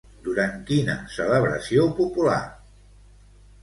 Durant quina celebració popular?